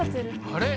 あれ？